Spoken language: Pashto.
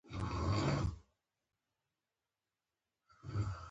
عام خلک سپک مه ګڼئ!